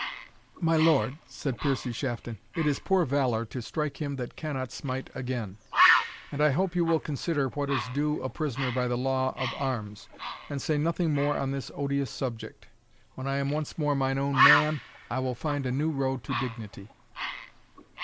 "My lord," said Piercie Shafton, "it is poor valour to strike him that cannot smite again; and I hope you will consider what is due to a prisoner by the law of arms, and say nothing more on this odious subject. When I am once more mine own man, I will find a new road to dignity."